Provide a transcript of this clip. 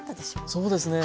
そうですね。